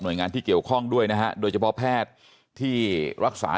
โดยงานที่เกี่ยวข้องด้วยนะฮะโดยเฉพาะแพทย์ที่รักษา